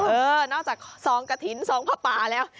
นอกจากซองกระถิ่นซองผ้าป่าแล้ว